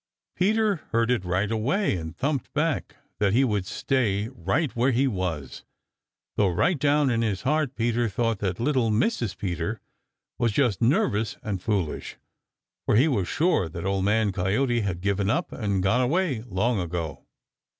Peter heard it right away and thumped back that he would stay right where he was, though right down in his heart Peter thought that little Mrs. Peter was just nervous and foolish, for he was sure that Old Man Coyote had given up and gone away long ago.